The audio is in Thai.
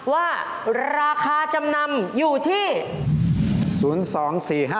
ว่าราคาจำนำอยู่ที่๐๒๔๕